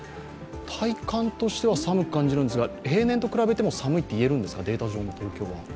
体感としては寒く感じるんですが、平年と比べても寒いと言えるんですか、データ上の東京は。